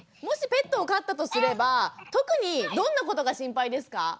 もしペットを飼ったとすれば特にどんなことが心配ですか？